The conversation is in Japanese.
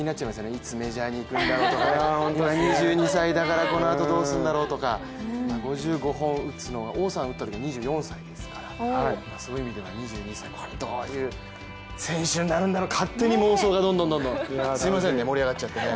いつメジャーに行くんだろうとか、今、２２歳だからこのあとどうするんだろうとか５５本打つのは、王さん打ったときは２４歳ですから、そういう意味では２２歳、どういう選手になるんだろうと勝手に妄想がどんどん、すみませんね、盛り上がっちゃってね。